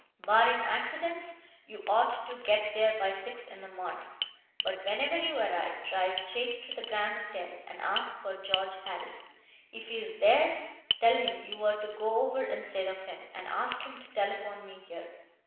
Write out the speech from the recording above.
Barring accidents, you ought to get there by six in the morning. But whenever you arrive, drive straight to the Grand Hotel and ask for George Harris. If he's there, tell him you are to go over instead of him, and ask him to telephone me here.